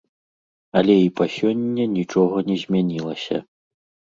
Але і па сёння нічога не змянілася.